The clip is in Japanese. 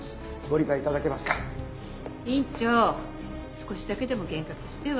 少しだけでも減額しては？